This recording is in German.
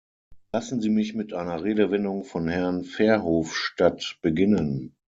Lassen Sie mich mit einer Redewendung von Herrn Verhofstadt beginnen.